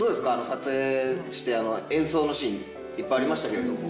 撮影して演奏のシーンいっぱいありましたけれども。